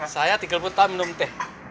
saya tiga puluh tahun minum teh